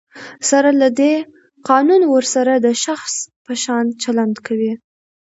سره له دی، قانون ورسره د شخص په شان چلند کوي.